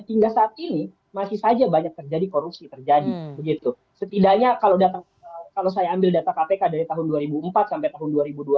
hingga saat ini masih saja banyak terjadi korupsi terjadi begitu setidaknya kalau saya ambil data kpk dari tahun dua ribu empat sampai tahun dua ribu dua puluh